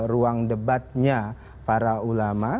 ruang debatnya para ulama